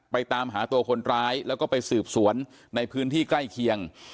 ตามหาตัวคนร้ายแล้วก็ไปสืบสวนในพื้นที่ใกล้เคียง